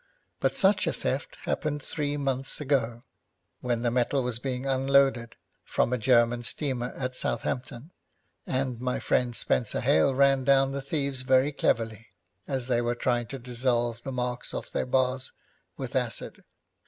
But such a theft happened three months ago, when the metal was being unloaded from a German steamer at Southampton, and my dear friend Spenser Hale ran down the thieves very cleverly as they were trying to dissolve the marks off the bars with acid.